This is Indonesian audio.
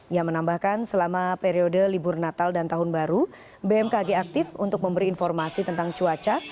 yang menambahkan selama periode libur natal dan tahun baru bmkg aktif untuk memberi informasi tentang cuaca